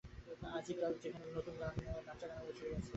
আজিকাল যেখানে নতুন গা-খানা বসেচে-ওই বরাবাব এসে হল কি জানো?